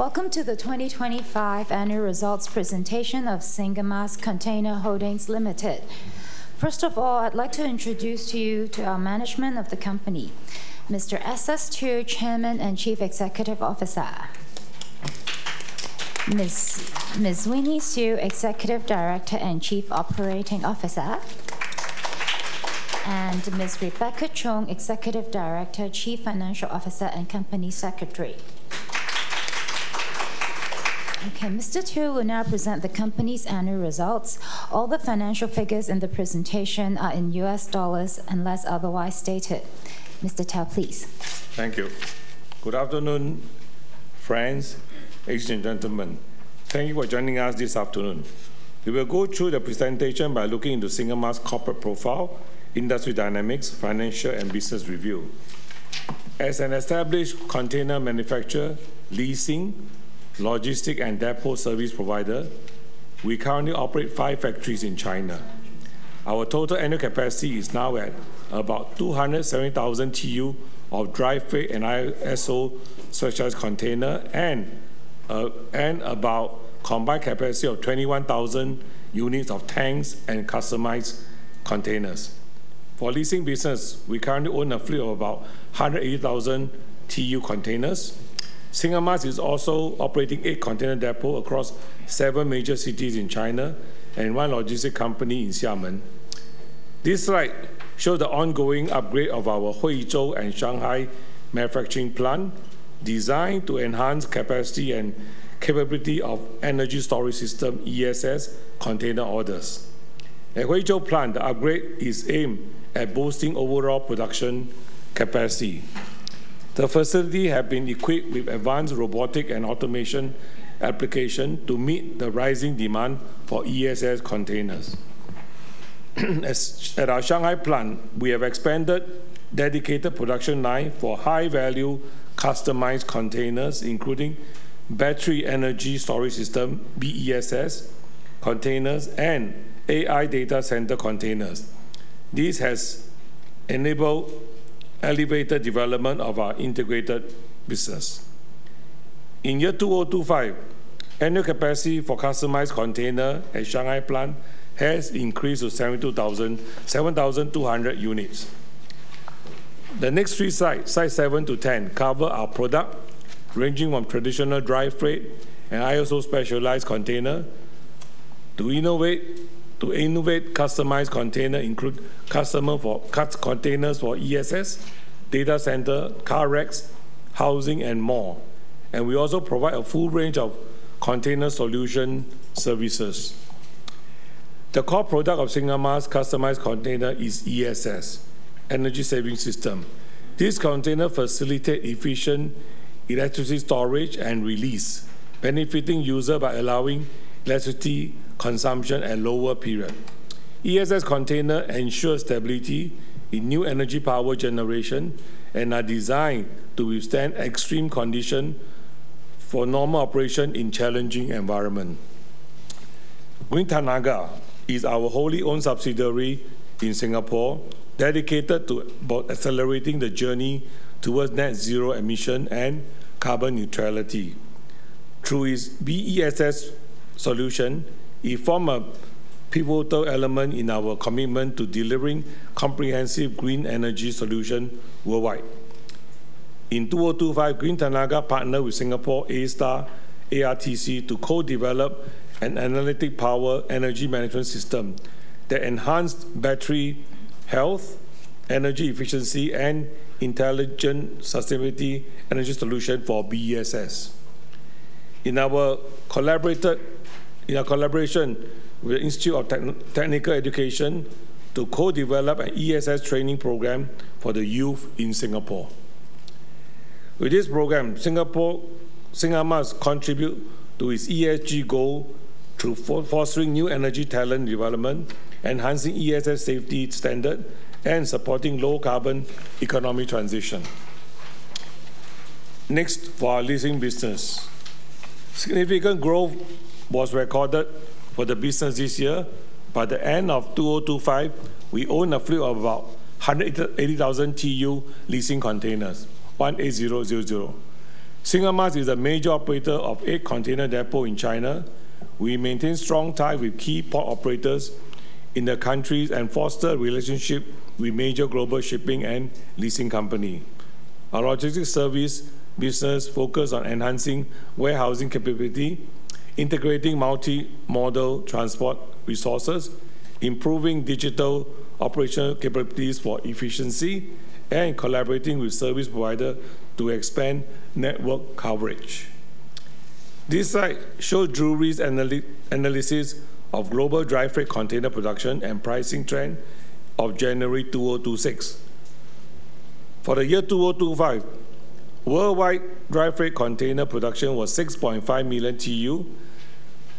Welcome to the 2025 Annual Results Presentation of Singamas Container Holdings Limited. First of all, I'd like to introduce you to our management of the company. Mr. SS Teo, Chairman and Chief Executive Officer. Ms. Winnie Siew, Executive Director and Chief Operating Officer. And Ms. Rebecca Chung, Executive Director, Chief Financial Officer, and Company Secretary. Okay, Mr. Teo will now present the company's annual results. All the financial figures in the presentation are in US dollars unless otherwise stated. Mr. Teo, please. Thank you. Good afternoon, friends, ladies and gentlemen. Thank you for joining us this afternoon. We will go through the presentation by looking into Singamas' corporate profile, industry dynamics, financial, and business review. As an established container manufacturer, leasing, logistics, and depot service provider, we currently operate five factories in China. Our total annual capacity is now at about 207,000 TEU of dry freight and ISO specialized container and about combined capacity of 21,000 units of tanks and customized containers. For leasing business, we currently own a fleet of about 108,000 TEU containers. Singamas is also operating eight container depot across seven major cities in China and one logistics company in Xiamen. This slide shows the ongoing upgrade of our Huizhou and Shanghai manufacturing plant, designed to enhance capacity and capability of energy storage system, ESS, container orders. At Huizhou plant, the upgrade is aimed at boosting overall production capacity. The facility has been equipped with advanced robotic and automation applications to meet the rising demand for ESS containers. At our Shanghai plant, we have expanded dedicated production lines for high-value customized containers, including battery energy storage system, BESS, containers, and AI data center containers. This has enabled elevated development of our integrated business. In year 2025, annual capacity for customized containers at Shanghai plant has increased to 7,200 units. The next three slides 7 to 10, cover our products ranging from traditional dry freight and ISO specialized containers to innovative customized containers, including customized containers for ESS, data center, car racks, housing, and more. We also provide a full range of container solution services. The core product of Singamas' customized container is ESS, Energy Storage System. This container facilitate efficient electricity storage and release, benefiting user by allowing electricity consumption at lower period. ESS container ensure stability in new energy power generation and are designed to withstand extreme condition for normal operation in challenging environment. Green Tenaga is our wholly-owned subsidiary in Singapore dedicated to both accelerating the journey towards net zero emission and carbon neutrality. Through its BESS solution, it form a pivotal element in our commitment to delivering comprehensive green energy solution worldwide. In 2025, Green Tenaga partnered with Singapore's A*STAR ARTC to co-develop an analytics-powered Energy Management System that enhanced battery health, energy efficiency, and intelligent sustainability energy solution for BESS. In our collaboration with Institute of Technical Education to co-develop an ESS training program for the youth in Singapore. With this program, Singamas contribute to its ESG goal through fostering new energy talent development, enhancing ESS safety standard, and supporting low carbon economic transition. Next, for our leasing business. Significant growth was recorded for the business this year. By the end of 2025, we own a fleet of about 108,000 TEU leasing containers, 18,000. Singamas is a major operator of eight container depot in China. We maintain strong tie with key port operators in the countries and foster relationship with major global shipping and leasing company. Our logistics service business focus on enhancing warehousing capability, integrating multi-modal transport resources, improving digital operational capabilities for efficiency, and collaborating with service provider to expand network coverage. This slide show Drewry's analysis of global dry freight container production and pricing trend of January 2026. For the year 2025, worldwide dry freight container production was 6.5 million TEU,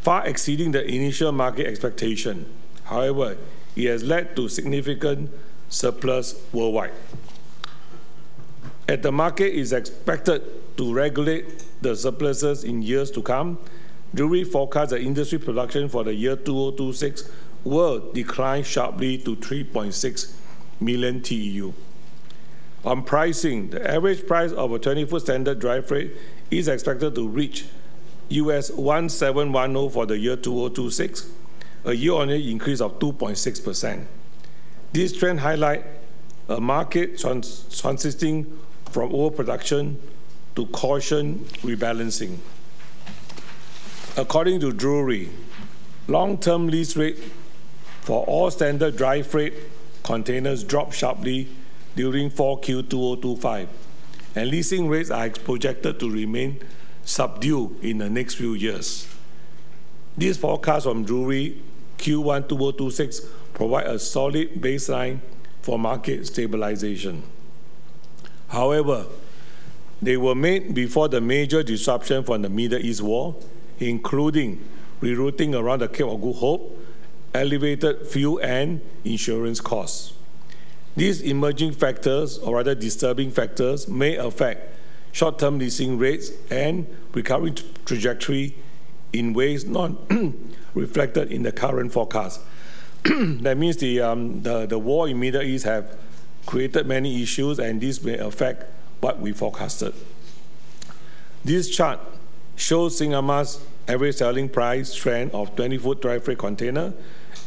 far exceeding the initial market expectation. However, it has led to significant surplus worldwide. As the market is expected to regulate the surpluses in years to come, Drewry forecast the industry production for the year 2026 will decline sharply to 3.6 million TEU. On pricing, the average price of a 20-foot standard dry freight is expected to reach $1,710 for the year 2026, a year-on-year increase of 2.6%. This trend highlight a market transitioning from overproduction to cautious rebalancing. According to Drewry, long-term lease rate for all standard dry freight containers dropped sharply during 4Q 2025, and leasing rates are projected to remain subdued in the next few years. These forecasts from Drewry Q1 2026 provide a solid baseline for market stabilization. However, they were made before the major disruption from the Middle East war, including rerouting around the Cape of Good Hope, elevated fuel and insurance costs. These emerging factors, or rather disturbing factors, may affect short-term leasing rates and recovery trajectory in ways not reflected in the current forecast. That means the war in Middle East have created many issues, and this may affect what we forecasted. This chart shows Singamas' average selling price trend of twenty-foot dry freight container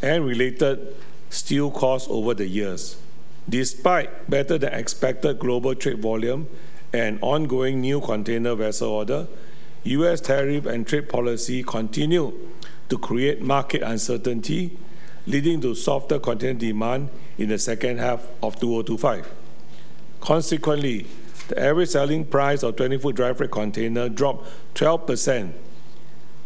and related steel costs over the years. Despite better-than-expected global trade volume and ongoing new container vessel order, U.S. tariff and trade policy continue to create market uncertainty, leading to softer container demand in the second half of 2025. Consequently, the average selling price of 20-foot dry freight container dropped 12%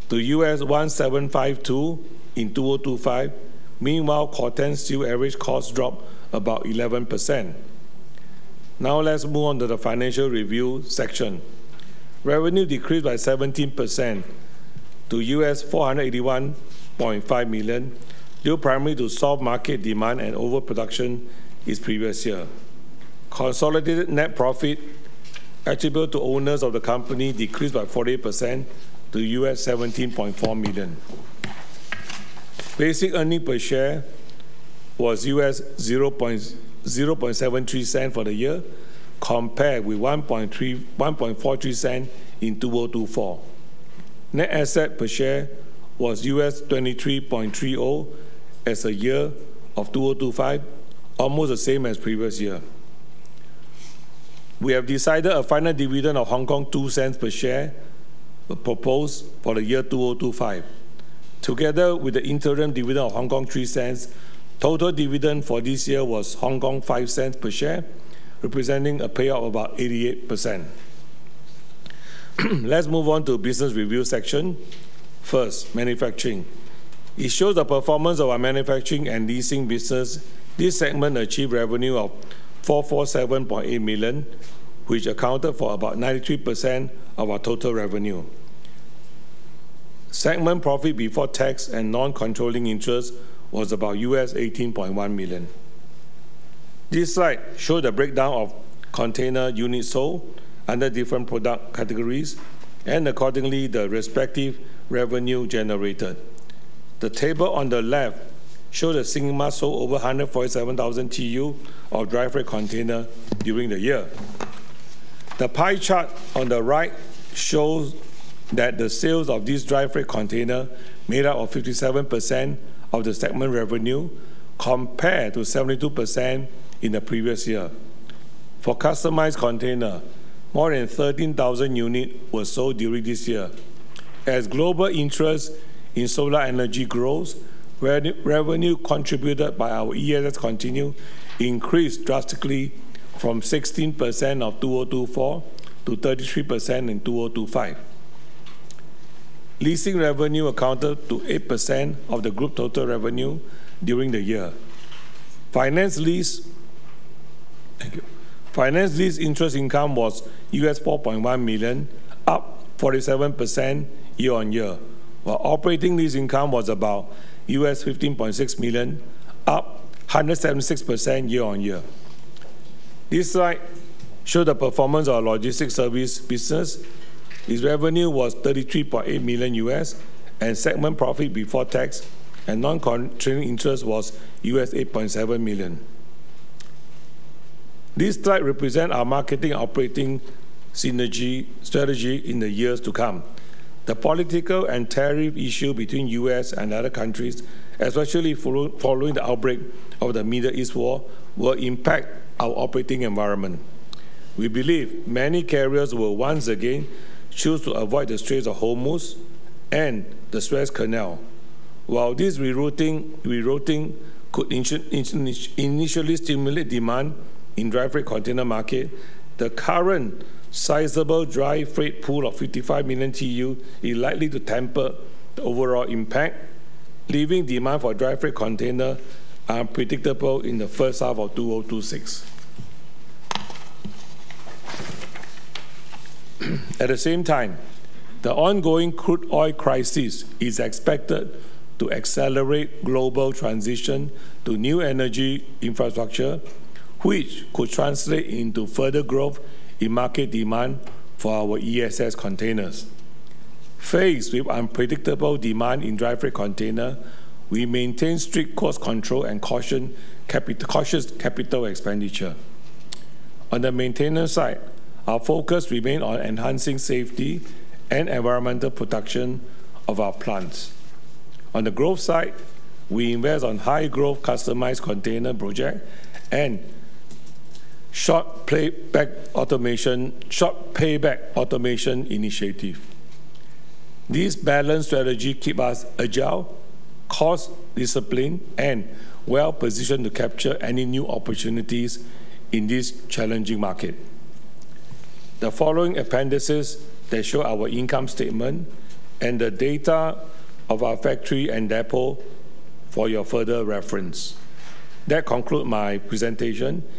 to $1,752 in 2025. Meanwhile, Corten steel average cost dropped about 11%. Now let's move on to the financial review section. Revenue decreased by 17% to $481.5 million, due primarily to soft market demand and overproduction this previous year. Consolidated net profit attributable to owners of the company decreased by 40% to $17.4 million. Basic earnings per share was $0.0073 for the year, compared with $0.0143 in 2024. Net asset per share was $23.30 as at year-end 2025, almost the same as previous year. We have decided a final dividend of 0.02 per share, proposed for the year 2025. Together with the interim dividend of 0.03, total dividend for this year was 0.05 per share, representing a payout of about 88%. Let's move on to business review section. First, manufacturing. It shows the performance of our manufacturing and leasing business. This segment achieved revenue of $447.8 million, which accounted for about 93% of our total revenue. Segment profit before tax and non-controlling interest was about $18.1 million. This slide show the breakdown of container units sold under different product categories and accordingly, the respective revenue generated. The table on the left show that Singamas sold over 147,000 TEU of dry freight container during the year. The pie chart on the right shows that the sales of this dry freight container made up 57% of the segment revenue, compared to 72% in the previous year. For customized container, more than 13,000 units were sold during this year. As global interest in solar energy grows, the revenue contributed by our ESS continued to increase drastically from 16% in 2024 to 33% in 2025. Leasing revenue accounted for 8% of the group total revenue during the year. Finance lease interest income was $4.1 million, up 47% year-on-year. While operating lease income was about $15.6 million, up 176% year-on-year. This slide shows the performance of our logistic service business. This revenue was $33.8 million, and segment profit before tax and non-controlling interest was $8.7 million. This slide represents our marketing operating strategy in the years to come. The political and tariff issue between U.S. and other countries, especially following the outbreak of the Middle East war, will impact our operating environment. We believe many carriers will once again choose to avoid the Strait of Hormuz and the Suez Canal. While this rerouting could initially stimulate demand in dry freight container market, the current sizable dry freight pool of 55 million TEU is likely to temper the overall impact, leaving demand for dry freight container unpredictable in the first half of 2026. At the same time, the ongoing crude oil crisis is expected to accelerate global transition to new energy infrastructure, which could translate into further growth in market demand for our ESS containers. Faced with unpredictable demand in dry freight container, we maintain strict cost control and cautious capital expenditure. On the maintenance side, our focus remain on enhancing safety and environmental protection of our plants. On the growth side, we invest on high-growth customized container project and short payback automation initiative. This balanced strategy keep us agile, cost discipline, and well-positioned to capture any new opportunities in this challenging market. The following appendices, they show our income statement and the data of our factory and depot for your further reference. That conclude my presentation.